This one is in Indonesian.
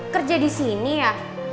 kerja di sini ya